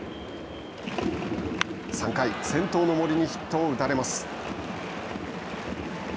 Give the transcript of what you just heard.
３回、先頭の森にヒットを打たれます。